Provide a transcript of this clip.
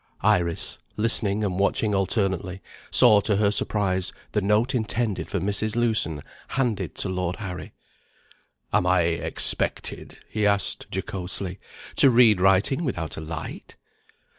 Iris, listening and watching alternately, saw to her surprise the note intended for Mrs. Lewson handed to Lord Harry. "Am I expected," he asked jocosely, "to read writing without a light?"